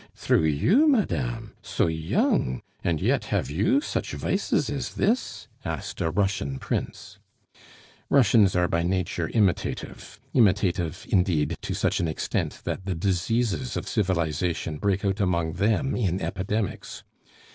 "Through you, madame? So young! and yet have you such vices as this?" asked a Russian prince. Russians are by nature imitative; imitative indeed to such an extent that the diseases of civilization break out among them in epidemics.